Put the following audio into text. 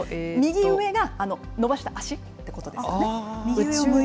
右上が伸ばした足っていうことですね。